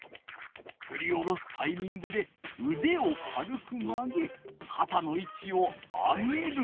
ふり下ろすタイミングでうでを軽く曲げかたのいちを上げる。